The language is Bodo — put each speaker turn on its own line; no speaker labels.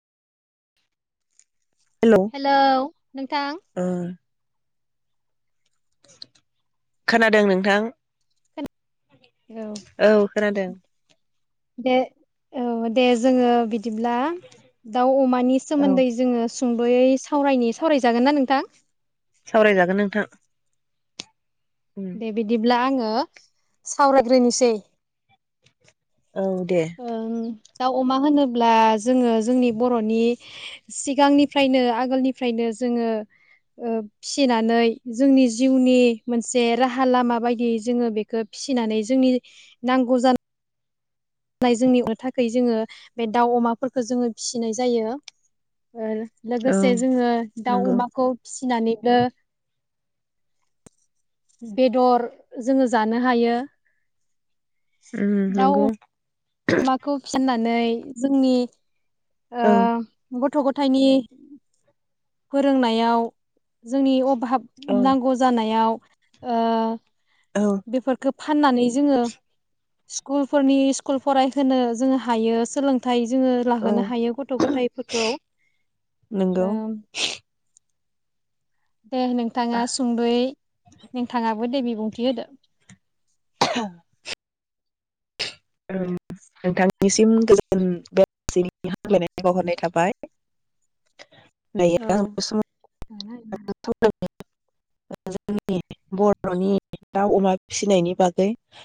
हेलौ नोंथां
ओ खोनादों नोंथां
औ
औ खोनादों
दे औ दे जोङो बिद दिब्ला दाव अमानि
औ
सोमोन्दै जोङो ज सुंद'यै सावरायनि सावरायजागोनना नोंथां
सावरायजागोन नोंथां उम
दे बिदिब्ला आङो ङो सावरायग्रोनिसै
औ दे
दाउ अमा होनोब्ला जोङो जोंनि ब'रनि सिगांनिफ्रायनो आगोलनिफ्रायनो जोङो ओ फिसिनानै ओ जोंनि जिउनि मोनसे राहा लामा बायदियै जोङो बेखो फिसिनानै जोंनि नांगौ जान नाय जोंनिबो थाखै जोङो बे दाउ अमाफोरखो जोङो फिसिनाय जायो ओ
औ
लोगोसे जोङो दाउ
नंगौ
अमाखौ फिस फिनानैबो बेदर जोङो जानो हायो
उ नंगौ
माखौ फिसि नानै जोंनि ओ
औ
बुथ गथ गथायनि फोरोंनायाव जोंनि भाब
औ
नांगौ जानायाव ओ
औ
बेफोरखो फाननानै जोङो स्कुलफोरनि स्कुल फरायहोनो जोंङ हायो सोलोंथाइ जोङो
औ
लाहोना गथ गथायफोरखौ
नंगौ
ओ दे नोंथाङा सुंद'यै नोंथाङाबो दे बिबुं गेदा
आहाम नोंथांनिसिम गोजोन बेलासिनि हामलायनायखौ बावहरनाय थाबाय न
औ
[unintelligible] जोंनि बर'नि दाउ अमा फिसिनायनि बागै